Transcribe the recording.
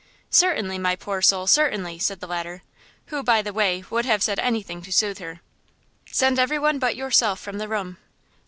"Certainly, my poor soul–certainly," said the latter, who, by the way, would have said anything to soothe her. "Send every one but yourself from the room."